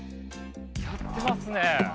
やってますね。